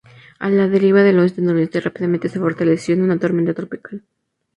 A la deriva al oeste-noroeste, rápidamente se fortaleció en una tormenta tropical.